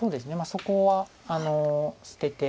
そこは捨てて。